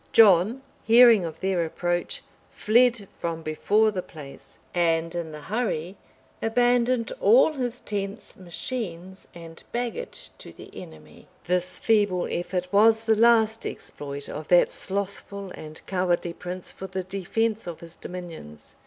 John, hearing of their approach, fled from before the place; and in the hurry, abandoned all his tents, machines, and baggage to the enemy. This feeble effort was the last exploit of that slothful and cowardly prince for the defence of his dominions.